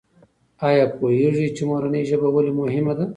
آیا پوهېږې چې مورنۍ ژبه ولې مهمه ده؟